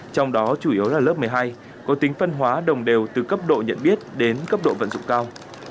trong đó chủ yếu là lớp một mươi hai có tính phân hóa đồng đều từ cấp độ nhận biết đến cấp độ vận dụng cao